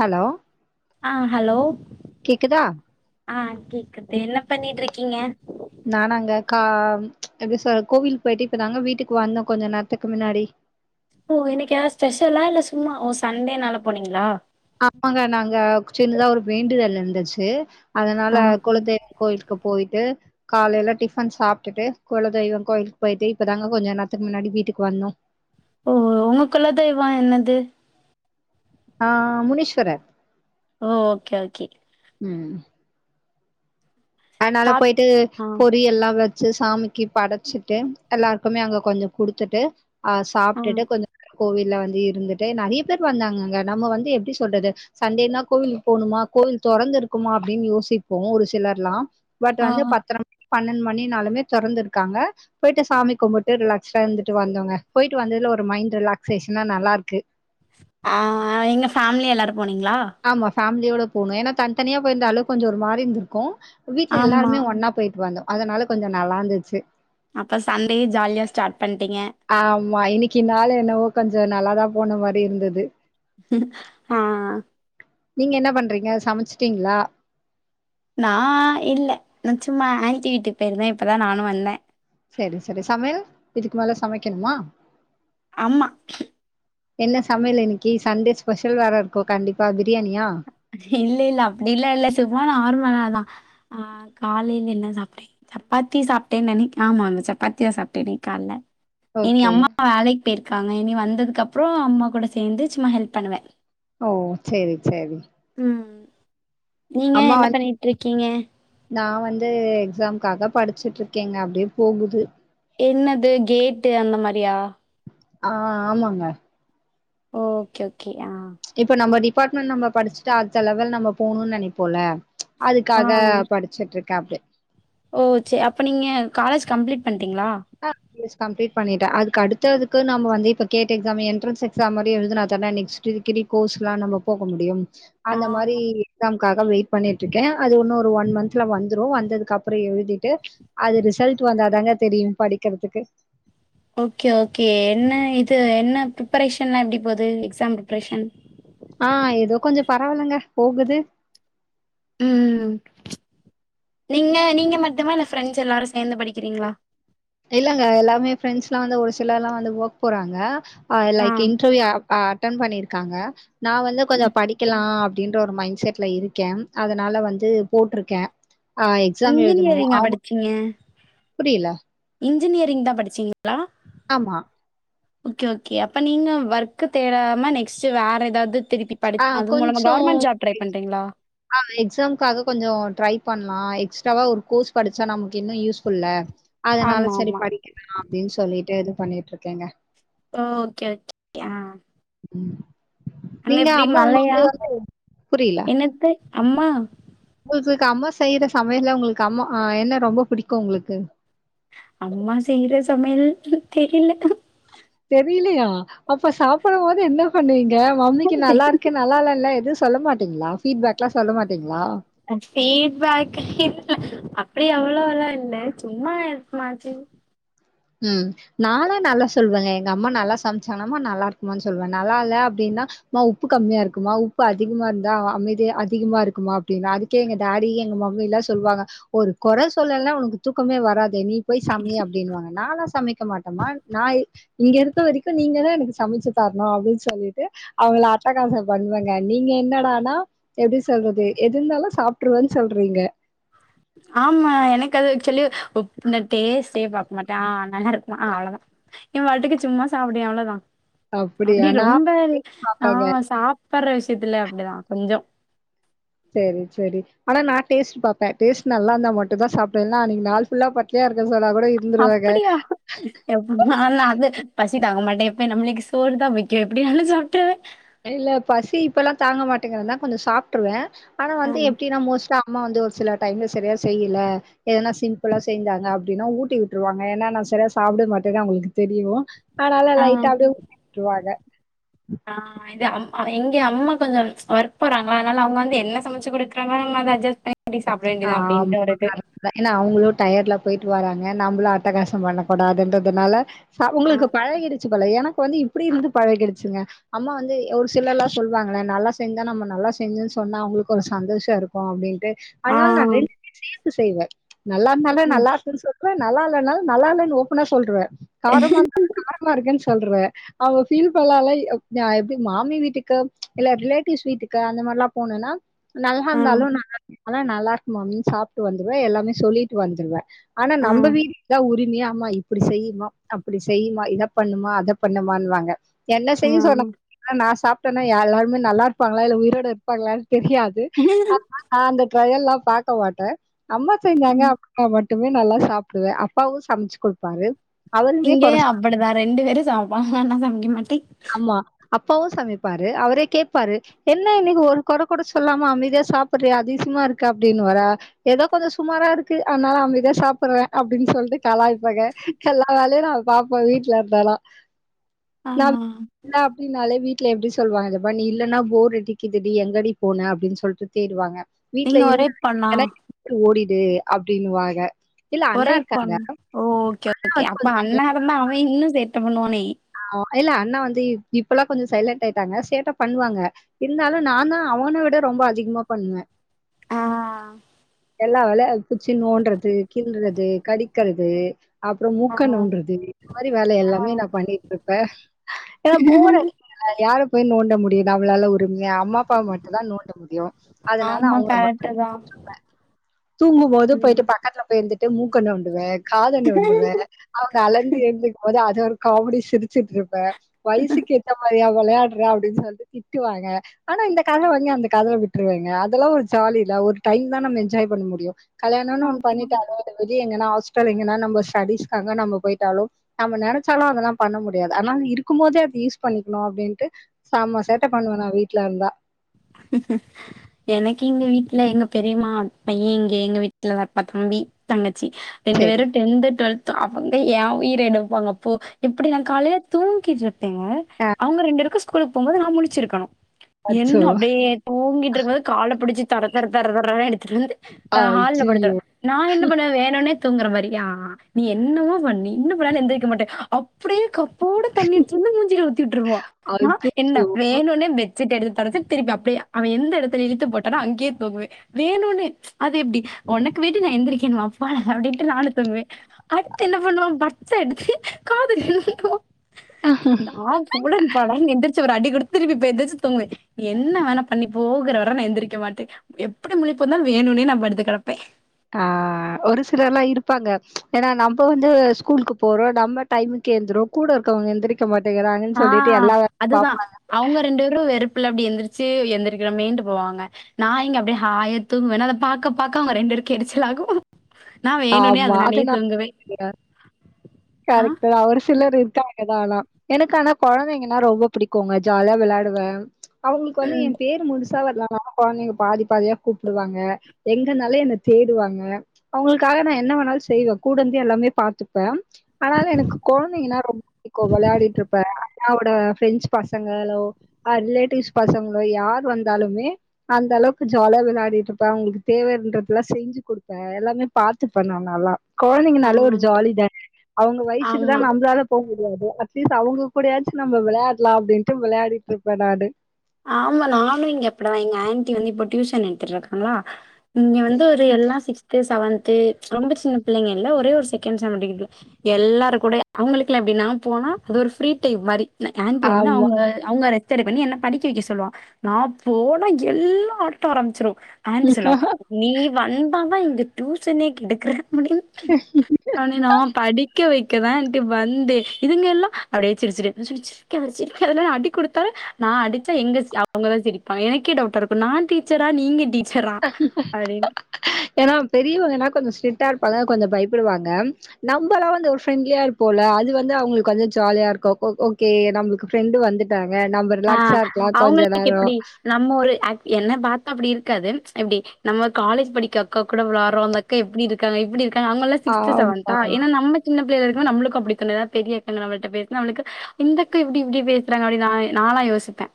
Hello ஆ hello கேக்குதா ஆ கேக்குது என்ன பண்ணிட்ருக்கீங்க நானாங்க கா எப்டி சொல்ற கோவில் போயிட்டு இப்பதாங்க வீட்டுக்கு வந்தோ கொஞ்சொ நேர்த்துக்கு முன்னாடி ஓ இன்னைக் ஏதாது ஸ்பெஷலா இல்ல சும்மா ஓ சண்டேனால போனீங்களா ஆமாங்க நாங்க சின்னதா ஒரு வேண்டுதல் இருந்துச்சு ஆ அதனால குலதெய்வம் கோயிலுக்கு போயிட்டு காலையில டிஃபன் சாப்ட்டுட்டு குலதெய்வம் கோயிலுக் போயிட்டு இப்பதாங்க கொஞ்சொ நேர்த்துக்கு முன்னாடி வீட்டுக்கு வந்தோ ஓ உங்க குலதெய்வம் என்னது ஆ முனீஷ்வரர் ஓ ஓகே ஓகே ம் அதனால சாப் போயிட்டு ஆ பொறி எல்லா வெ ச்சு சாமிக்கி படச்சுட்டு எல்லாருக்குமே அங்க கொஞ்சம் குடுத்துட்டு அ ஆ சாப்ட்டுட்டு கொஞ்சோ கோவில்ல வந்து இருந்துட்டு நறைய பேர் வந்தாங்க அங்க நம்ம வந்து எப்டி சொல்றது சண்டேனா கோவிலுக் போணுமா கோவில் தொறந்து இருக்குமா அப்டின் யோசிப்போ ஒரு சிலர்ல்லா பட் ஆ வந்து பத்தர மணி பன்னெண்டு மணினாலுமே தொறந்திருக்காங்க போய்ட்டு சாமி கும்புட்டு ரிலாக்ஸ்டா இருந்துட்டு வந்தோங்க போயிட்டு வந்ததுல ஒரு மைண்ட் ரிலாக்சேஷனா நல்லாருக்கு ஆ எங்க ஃபேமிலியா எல்லாரு போனீங்ளா ஆமா ஃபேமிலியோட போணோ ஏனா தன் தனியா போயிருந்தாலு கொஞ்சோ ஒரு மாரிந்துருக்கு வீட்ல ஆமா எல்லாருமே ஒன்னா போயிட்டு வந்தோ அதனால கொஞ்சோ நல்லாந்துச்சு அப்ப சண்டேயு ஜாலியா ஸ்டாட் பண்ட்டிங்க ஆமா இன்னக்கி நாள் என்னவோ கொஞ்சோ நல்லாதா போன மாரி இருந்துது ஆ நீங்க என்ன பண்றீங்க சமச்சுட்டீங்ளா நா இல்ல நா சும்மா ஆன்ட்டி வீட்டுக் போயிருந்தே இப்பதா நானு வந்த சேரி சேரி சமையல் இதுக்கு மேல சமைக்கணுமா அம்மா என்ன சமையல் இன்னக்கி சண்டே ஸ்பெஷல் வேற இருக்கு கண்டிப்பா பிரியாணியா இல்ல இல்ல அப்டிலா இல்ல சும்மா நார்மலாதா ஆ காலையில என்ன சாப்ட்டே சப்பாத்தி சாப்ட்டேன் நெனைக் ஆமா நா சப்பாத்திதா சாப்ட்டே இன்னைக்கால்ல இனி ஓகே அம்மா வேலைக் போயிருக்காங்க இனி வந்ததுக்கு அப்றோ அம்மா கூட சேந்து சும்மா ஹெல்ப் பண்ணுவே ஓ சேரி சேரி ம் நீங்க அம்மா என்ன வந்து பண்ணிட்ருக்கீங்க நா வந்து எக்ஸாம்காக படிச்சுட்ருக்கேங்க அப்டியே போகுது என்னது கேட்டு அந்த மாரியா ஆ ஆமாங்க ஓகே ஓகே ஆ இப்ப நம்ம டிபார்ட்மெண்ட் நம்ப படிச்சுட்டு அடுத்த லெவல் நம்ப போணு நெனைப்போல ஆ அதுக்காக படிச்சுட்ருக்க அப்டே ஓ ச்சே அப்ப நீங்க காலேஜ் கம்ப்ளீட் பண்ட்டீங்ளா ஆ எஸ் கம்ப்ளீட் பண்ணிட்ட அதுக்கு அடுத்ததுக்கு நம்ம வந்து இப்ப கேட் எக்ஸாம் என்ரன்ஸ் எக்ஸாம் மாரியு எழுதுனாதான நெக்ஸ் ட்டு டிகிரி கோர்ஸ்லாம் நம்ம போக முடியும் ஆ அந்த மாரி எக்ஸாம் காக வெயிட் பண்ணிட்ருக்கே அது உன்னு ஒரு ஒன் மந்த்ல வந்துரு வந்ததுக்கு அப்புறோ எழுதிட்டு அது ரிசல்ட்டு வந்தாதாங்க தெரியு படிக்றதுக்கு ஓகே ஓகே என்ன இது என்ன ப்ரிப்பரேஷன்லா எப்டி போது எக்ஸாம் ப்ரிப்ரேஷன் ஆ ஏதோ கொஞ்சோ பரவால்லங்க போகுது ம் நீங்க நீங்க மட்டுமா இல்ல ஃப்ரெண்ட்ஸ் எல்லாரு சேந்து படிக்கிறீங்ளா இல்லங்க எல்லாமே ஃப்ரெண்ட்ஸ்லா வந்து ஒரு சிலர்லா வந்து வோக் போறாங்க ஆ லைக் இன்டர்வியூ அ அ அட்டன் பண்ணிருக்காங்க நா வந்து ம். கொஞ்சம் படிக்கலா அப்டின் ட்டு ஒரு மைண்ட் செட்ல இருக்கே அதனால வந்து போட்ருக்கே ஆ எக்ஸாம் எழுதணு இன்ஜினியரிங்கா அவுங்க புரில இன்ஜினியரிங்தா படிச்சீங்ளா ஆமா ஓகே ஓகே அப்ப நீங்க வெர்க்கு தேடாம நெக்ஸ்ட்டு வேற ஏதாவ்து திருப்பி ஆ படிப் அது மூலமா கவர்மெண்ட் ஜாப் ட்ரை பண்றீங்ளா அ எக்ஸாம்காக கொஞ்சம் ட்ரை பண்ணலா எக்ஸ்ட்ராவா ஒரு கோஸ் படிச்சா நமக்கு இன்னு யூஸ்ஃபுல்ல அதனால ஆமா சரி ஆமா. படிக்கவேணா அப்டின்னு சொல்லிட்டு இது பண்ணிட்டு இருக்கேங்க ஒ ஓகே ஓகே அ ம் நீங்க அம்மா மழையா? உங்ளுக்கு வந்து புரில [unintelligible] அம்மா [unintelligible] அம்மா செய்ற சமையல்ல உங்களுக்கு அம்மா அ என்ன ரொம்ப புடிக்கும் உங்களுக்கு அம்மா செய்ற சமையல் தெரில்ல தெரிலையா அப்ப சாப்பிடும் போது என்ன பண்ணுவீங்க மம்மிக்கு ஃபீட்பேக் இல்ல. நல்லாருக்கு [unintelligible] நல்லாலல்ல எதும் சொல்ல மாட்டீங்ளா ஃபீட்பேக்லா சொல்ல மாட்டீங்ளா ஃபீட்பேக் அப்டி அவ்ளோல்லா இல்ல சும்மா [unintelligible] ம் நாலா நல்லா சொல்வேங்க எங்க அம்மா நல்லா சமைச்சணம்மா நல்லா இருக்குமான்னு சொல்வே நல்லா இல்ல அப்டின்னா மா உப்பு கம்மியா இருக்குமா உப்பு அதிகமா இருந்தா அமைதி அதிகமா இருக்குமா அப்டின்னா அது எங்க டாடி எங்க மம்மில்லா சொல்லுவாங்க ஒரு கொற சொல்லல்னா உனக்கு தூக்கமே வராது நீ போய் சமை அப்டின்னுவாங்க [unintelligible] சமைக்க மாட்டமா நா இங்க இருக்க வரைக்கு நீங்கதா எனக்கு சமச்சு தரணு அப்டின்னு சொல்லிட்டு அவ்ளோ அட்டகாசோ பண்வேங்க நீங்க என்னடானா எப்டி சொல்றது எது இருந்தாலு சாப்ட்டுருவேன் சொல்றீங்க ஆம்மா எனக்கு அது சொல்லி உப்பு இல்ல டேஸ்ட்டே மட்டா ஆ நல்லா இருக்குமா ஆ அவ்ளதா எ பாட்டுக்கு சும்மா சாப்டுவே அவ்ளதா அப்டி அப்டியா நா ரொம்ப அ சாப்ட்டேங்க சாப்ட்ற விஷயத்துல அப்டிதா கொஞ்சோ செரி செரி ஆனா நா டேஸ்ட்டு பாப்பே டேஸ்ட்டு நல்லா இருந்த மட்டும்தா சாப்டுவே இல்லண்ணா அன்னிக்கு நாள் ஃபுல்லா பட்னியா இருக்க சொன்னா கூட இரு இருந்துருவாக எப்புமேல அது பசிதாங்க மாட்டே இப்ப நம்ளுக்கு சோறுதா முக்கியோ எப்டி னாலும் சாப்ட்ருவே இல்லே பசி இப்பல்லாம் தாங்க மாட்டேங்க வேணா கொஞ்சம் சாப்ட்ருவேன் ஆனா ஆ, வந்து எப்டி நா மோஸ்டா அம்மா வந்து ஒரு சில டைமில்ல சரியா செய்யல எதனா சிம்பிளா செஞ்சாங்க அப்டின்னா ஊட்டி விட்டுருவாங்க ஏன்னா நான் சரியா சாப்பிட மாட்டேன்னு அவங்களுக்கு தெரியும் ஆனால ஆ, லைட்டா அப்டியே ஊட்டி விட்ருவாங்க [inaudible] எங்க அம்மா கொஞ்சம் ஒர்க் போறாங்களா அதனால அவங்க வந்து என்ன சமைச்சு குடுக்குறா நம்ம அஜ்ஜஸ் [unintelligible] சாப்ட வேண்டியதான் ஆமா அப்டின்ட்டு ஒருக்கு கரெக்ட் ஏன்னா அவங்களு டயர்டுல போயிட்டு வராங்க நம்மளு அட்டகாசம் பண்ணக்கூடாதுன்றதுனால ஆ, உங்களுக்கு பழகிடிச்சு போல எனக்கு வந்து இப்டி இருந்து பழ கிடிச்சுங்க அம்மா வந்து ஒரு சிலர் எல்லா சொல்லுவாங்களே நல்லா செஞ்சா நம்ம நல்லா செஞ்சுன்னு சொன்னா அவங்களுக்கு ஒரு சந்தோஷ இருக்கும் அப்டின்ட்டு ஆ, அதனால [unintelligible] சேத்து செய்வேன் நல்லா ஓ! இருந்தாலு நல்லா இருக்னு சொல் நல்லா இல்லனாலு நல்ல இல்லன்னு ஓபனா சொல்ருவே காரமா இருந்தாலு காரமா இருக்குன்னு சொல்ருவே அவ ஃபீல் பண்ணலால எப்படி மாமி வீட்டுக்கு இல்ல ரிலேட்டிவ்ஸ் வீட்டுக்கு அந்த மாரில்லா போனன்னா நல்லா ஆ, இருந்தாலும் நல்லா இருந்தால நல்லா இருக்கு மாமின்னு சாப்ட்டு வந்துருவே எல்லாமே சொல்லிட்டு வந்துருவேன் ஆனா ஆ, நம்ம வீட்டுதான் உரிமையா அம்மா அப்டி செய்யுமா அப்டி செய்யுமா இத பண்ணுமா அத பண்ணுமான்வாங்க என்ன ஆ. செய்ய சொன்ன நான் சாப்ட்டேன்னா எல்லாருமே நல்லா இருப்பாங்களா இல்ல உயிரோட இருப்பாங்களா தெரியாது அ அந்த ட்ரயல்லா பாக்க மாட்ட அம்மா ம். செஞ்சாங்க அப்டினா மட் டுமே நல்லா சாப்டுவ அப்பாவு சமைச்சு குடுப்பாரு அவருமே கொற இங்கயு சொ அப்டிதா ரெண்டு பேரு சமைப்பாங்க நா சமைக்க மாட்டே ஆமா அப்பாவு சமைப்பாரு அவரே கேப்பாரு என்ன இன்னைக்கு ஒரு கொற கூட சொல்லாம அமைதியா சாப்ட்றியே அதிசயமா இருக்கு அப்டின்னு வாரா எதோ கொஞ்சோ சுமாரா இருக்கு அதனால அமைதியா சாப்புட்ற அப்டின் சொல்ட்டு கலாய்பாங்க எல்லா வேலையு நா பாப்ப வீட்ல இருந்தாலா ஆ ன்னா அப்டின்னாலே வீட்ல எப்டி சொல்வாங்க இதப் பார் நீ இல்லனா போர் அடிக்குது டி எங்கடி போன அப்டின் சொல்ட்டு தேடுவாங்க வீட்ல நீங்க ஒரே இருந்தா பொண்ணா? எனக்கு ஓடிடு அப்டின்னுவாங்க இல்ல ஒரே அண்ணா இருக்காங்க பொண் ஓ ஓகே ஓகே வந்து அப்ப கொஞ்சோ அண்ணா இருந்தா அவன் இன்னு சேட்ட பண்ணுவானே ஆ இல்ல அண்ணா வந்து இப்பெல்லா கொஞ்சோ சைலண்ட் ஆயிட்டாங்க சேட்ட பண்ணுவாங்க இருந்தாலு நா தா அவனை விட ரொம்ப அதிகமா பண்ணுவ ஆ எல்லா வேல புட்ச்சி நோன்றது கில்றது கடிக்றது அப்ற ஆ. மூக்க நோன்றது இந்த மாரி வேல ஆ. எல்லாமே நா பண்ணிட்டு இருப்ப ஏன்னா போர் அடி யார போய் நோண்ட முடியு நம்மளால ஒரு எ அம்மா அப்பா மட்டு தா நோண்ட முடியு அதனால ஆமா அவங்க கரெக்ட்டு மட்டுதா தான். நோண்டுவ தூங்கு போது போய்ட்டு ம். பக்கத்ல போய் இருந்துட்டு மூக்க நோண்டுவ காத நோண்டுவ அவங்க அலர்ந்து எழுந்துக்கு போது அது ஒரு காமெடி ஸ் சிரிச்சுட்டு இருப்ப வயசுக்கு ஏத்த மாரியா விளாடுற அப்டின் சொல்ட்டு திட்டுவாங்க ஆனா இந்த காதுல‌வாங்கி அந்த காதுல விட்டுருவங்க அதெல்லா ஒரு ஜாலில்ல ஒரு டைம் தா நம்ம என்ஜாய் பண்ண முடியு கல்யாணன் ஒன்னு பண்ணிட்டாளே வெளிய எங்கனா ஹாஸ்டல் எங்கனா நம்ம ஸ்டடிஸ்காக நம்ம போய்ட்டாலு நம்ம நெனச்சாலு அதெல்லா பண்ண முடியாது ஆனா இருக்கு போதே அது யூஸ் பண்ணிக்கணு அப்டின்ட்டு செம சேட்ட பண்ணுவ நா வீட்ல இருந்தா ம்ம் எனக்கு இங்க வீட்ல எங்க பெரிமா பைய இங்க எங்க வீட்லலா தப் தம்பி தங்கச்சி ரெண்டு சரி. பேரு டென்து டுவெல்த்து அவங்க எ உயிர எடுப்பாங்க அப்போ எப்டி நா காலைய தூங்கிட்டு இருப்ப பங்க அ அவங்க ரெண்டு பேருக்கு ஸ்கூலுக்கு போம் போது நா முழிச்சிருக்கணு அச்சோ! என்ன அ ஏ தூங்கிட்டு இருந்தது கால பிடிச்சு தர தர தர தரன் எடுத்துட்டு வந்து நா ஹால்ல படுத்த அய்யய்யோ! நா என்ன பண்ணுவே வேணுன்னே தூங்கற மாரி ஆ நீ என்னமோ பண்ணு நீ இன்னு பண்ணாலு எந்திரிக்க மாட்ட அப்டியே கப் போட தண்ணிஎடுத்துட் வந்து மூஞ்சில ஊத்தி விட்டுருவா நா என்ன அச்சச்சோ! வேணுனே பெட்சீட் எடுத்து தொடச்சு திருப்பி அப்டியே அவன எந்த இடத்துல இழுத்து போட்டானோ அங்கயே தூங்குவ வேணுன்னே அது எப்டி உனக்குவேண்டி நா எந்திரிக்கணுமா போடா! அப்டின்ட்டு நானு தூங்குவே அடுத்து என்ன பண்ணுவா பட்ஸ் எடுத்து காதுலயே நோண்டுவா நா சுள்ளுனு, படார்னு எந்திரிச்சு, ஒரு அடி குடுத்து திருப்பி இப்ப எந்திரிச்சு தூங்குவே என்ன வேணா பண்ணிப்போகுற வர நா எந்திரிக்கமாட்ட எப்டி முழிப்பு வந்தாலு வேணுனே நா படுத்துக்கெடப்பே ஆ. ஒரு சிலர்ல்லா இருப்பாங்க! ஏன்னா! நம்ம வந்து ஸ்கூலுக்கு போறோ நம்ம... டைமுக்கு எந்திருவோ கூட இருக்கவங்க எந்திரிக்க மாட்டேங்கிறாங்கன் சொல்லிட்டு எல்லா வேலயு பாப்பாங்க! ட்ரு வெறு புள்ள அப்டி எந்திருச்சு, எந்திரக்கறமேன்ட்டு போவாங்க! நா இங்க அப்டியே ஹாயா தூங்குவேனா அத பாக்க பாக்க அவங்க ரெண்டு பேருக்கு எரிச்சலாகு நா வேணுனே, ஆமா. அது அதனாலயே தூங்குவே கரக்ட்தா ஒரு சிலர் இருக்காங்க ஏதா ஆனா எனக்கு ஆனா கொழந்தைங்கன்னா ரொம்ப புடிக்குங்க ஜாலியா வெளாடுவேன் அவங்களுக்கு வந்து ம். என் பேரு முழுசா வர்லா ஆனா கொழந்தைங்க பாதி பாதியா கூப்டுவாங்க எங்கனால என்ன தேடுவாங்க க்காக நா என்ன வேணாலும் செய்வேன் கூடயிருந்தே எல்லாமே பாத்துப்பே அனாலூ எனக்கு கொழந்தைங்கன்னா ரொம்ப புடிக்கும் வெளையாடிட்டு இருப்பே அவரோட ஃப்ரெண்ட்ஸ் பசங்களோ ஆர் ரிலேடிவ்ஸ் பசங்களோ யார் வந்தாலுமே அந்த அளவுக்கு ஜாலியா வெளையாடிட்டுருப்பேன் அவங்களுக்கு தேவைன்றதுல்லா செஞ்சு கொடுப்பேன் எல்லாமே பாத்து பண்ணுவே நால்லா ஆ. கொழந்தைங்கனாலே ஒரு ஜாலிதானே அவங்க வயசுக்குதா ஆமா. நம்மளால போக முடியாது. அட்லீஸ்ட் அவங்க கூடயாச்சும் நம்ம வெளையாட்லா அப்டின்ட்டு வெளையாடிட்டு இருப்பே நானு ஆமா நானூ இங்க அப்டிதா எங்க ஆன்ட்டி வந்து இப்ப டியூசன் எடுத்துட்டுருக்காங்களா இங்க வந்து ஒரு எல்லா சிக்ஸ்த்து செவன்த்து ரொம்ப சின்ன பிள்ளைங்க இல்ல ஒரே ஒரு செகண்ட் ஸ்டாண்டர்ட் படிற புள்ள எல்லாரு கூடயூ அவங்களுக்குல்லா எப்டினா நா போனா அது ஒரு ஃப்ரீ டைம் மாரி ஆண்டி வந்து ஆமா அவ்வுங்க அவ்வுங்க ரொத்தரு பண்ணி என்ன படிக் டி வைக்க சொல்லுவான் நா போனா எல்லா ஆட்டோ ஆரம்பிச்சிரும் ஆன்ட்டி சொல்லுவாங் நீ வந்தாதா இந்த டூசனே கெடுக்கற அப்டின்னு நா படிக்க வைக்கதா ஆண்ட்டி வந்தே இதுங்கல்லா அப்டியே சிரிச்சிட்டே ந சிரிச் சிரிக்காபாரு சிரிக் அடி கொடுத்தாலூ நா அடி ச்சா எங்க அவங்கதா சிரிப்பாங்க எனக்கே டவுட்டா இருக்கும் நா டீச்சரா நீங்க டீச் ஏன்னா பெரியவங்னா கொஞ்சோ ஸ்ட்ரிட்டா இருப்பாங்க கொஞ்சோ பயப்படுவாங்க நம்மல்லா வந்து ஒரு ஃப்ரெண்ட்லியா இருப்போல்ல அது வந்து அவங்களுக்கு வந்து ஜாலியா இருக்கும் ஓக் ஓகே நம்ளுக்கு ஃப்ரெண்டு வந்துட்டாங்க நம்ம ஆ ரிலாக்ஸா இருக்கலாம் கொஞ்சோ அவங்களுக்கு நேரோ எப்டி நம்ம ஒரு என்ன பாத்தா அப்டி இருக்காது எப்டி நம்ம காலேஜ் படிக்கற அக்கா கூட வெளாட்றோ கே இப்டி இருக்காங்க இப்டி இருக்காங்க அவங்கல்லாம் சிக்ஸ்த் ஆமா செவன்த்தா ஏன்னா நம்ம சின்ன பிள்ளைல இருக்கும்போ நம்ளுக்கு அப்டி தோணு ஏன்னா பெரியக்கா நம்மள்ட்ட பேசுனா நம்ளுக்கு இந்தக்கா எப்டி இப்டி பேசுறாங்க அப்டி நா நாலா யோசிப்பேன்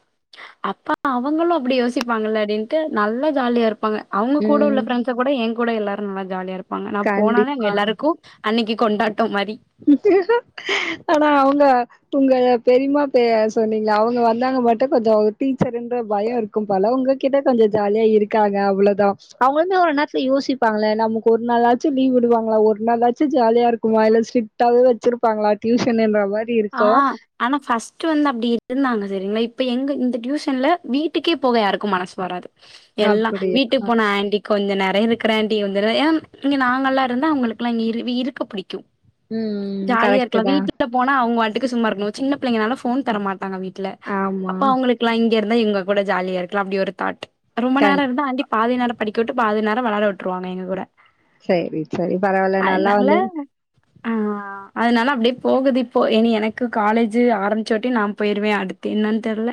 அப்ப அவங்களும் அப்டி யோசிப்பாங்க அப்டின்ட்டு நல்லா ஜாலியாயிருப்பாங்க அவங்க கூட உள்ள ம் ஃப்ரெண்ட்ஸ கூட என் கூட எல்லாரூ நல்லா ஜாலியாருப்பாங்க நா போனாலே கண்டிப் எல்லாருக்கும் அன்னிக்கி கொண்டாட்டம் மாரி ஆனா அவுங்க உங்க பெரிம்மா பே சொன்னீங்கல்ல அவங்க வந்தாங்கனா மட்டும் கொஞ்சோ டீச்சருன்ற பயோ இருக் இருக்கும்போல உங்ககிட்ட கொஞ்சோ ஜாலியா இருக்காங்க அவ்ளோதா அவுங்களுமே ஒரு நேரத்துல யோசிப்பாங்கல்ல நமக்கு ஒரு நாளாச்சும் லீவ் விடுவாங்களா ஒரு நாளாச்சும் ஜாலியாயிருக்குமா இல்ல ஸ்ட்ர் க்டாவே வச்சிருப்பாங்களா டியூஷனுன்ற மாரி ஆ இருக்கு ஆனா ஃபர்ஸ்ட் வந்து அப்டி இருந்தாங்க சரிங்களா இப்ப எங்க இந்த டியூஷன்ல்ல வீட்டுக்கே போக யாருக்கும் மனசு வராது எல்லா அப்படியா வீட்டுக்கு போனா ஆன்ட்டி கொஞ்சே நேரோ இருக்கறேன்ட்டி ஒரு தடவ ஏன்னா இங்க நாங்கெல்லா இருந்தா அவங்களுக்கெல்லா இங்க இருக்க இருக்க புடிக்கும் ம் கரெக்ட் ஜாலியாயிருக்கலா தா வீட்டுகப் அவங்க வாட்டுக்கு சும்மாயிருக்கணோ சின்ன பிள்ளைங்கனால போன் தரமாட்டாங்க வீட்ல ஆமா அப்ப அவங்களுக்கு இருக்கலாம் இங்க இருந்தா எங்க கூட ஜாலியாயிருக்கலா அப்டி ஒரு தாட் ரொம்ப நேரோ கண் இருந்தா ஆண்ட்டி பாதி நேரம் படிக்க விட்டு பாதிநேரம் விளாட விட்ருவாங்க எங்க கூட செரி செரி பரவால்ல நல்லா அதனால வந்து ஆ அதனால அப்டியே போகுது இப் போ இனி எனக்கு காலேஜு ஆரம்பிச்சோட்டி நா போயிருவே அடுத்து என்னான்னு தெர்ல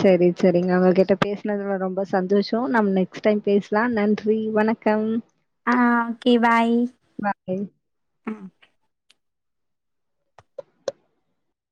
செரி செரிங்க ஒங்க கிட்ட பேசனதுல ரொம்ப சந்தோஷ நம் நெக்ஸ்ட் டைம் பேஸ்லா நன்றி வணக் கம் ஆ ஓகே பாய் வா கேய் ஆ.